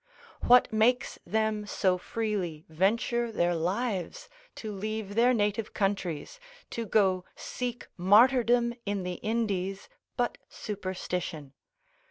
What makes them so freely venture their lives, to leave their native countries, to go seek martyrdom in the Indies, but superstition?